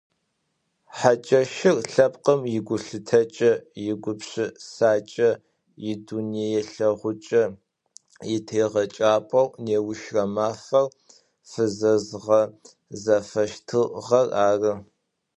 Хьакӏэщыр лъэпкъым игулъытэкӏэ, игупшысакӏэ, идунэелъэгъукӏэ итегъэкӏапӏэу неущрэ мафэр фызэзгъэзафэщтыгъэр ары.